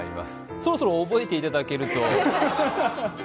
そろそろ覚えていただけると。